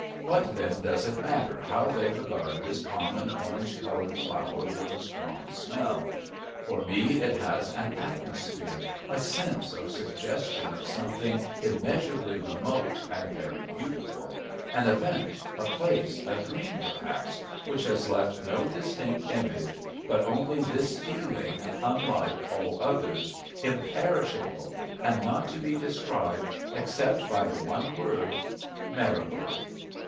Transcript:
What, then, does it matter how they regard this common orange coloured flower with a strong smell? For me it has an atmosphere, a sense or suggestion of something immeasurably remote and very beautiful an event, a place, a dream perhaps, which has left no distinct image, but only this feeling unlike all others, imperishable, and not to be described except by the one word Marigold.